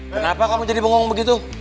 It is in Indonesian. kenapa kamu jadi bingung begitu